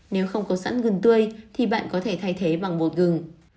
nếu không có sẵn gừng tươi thì bạn có thể thay thế bằng một gừng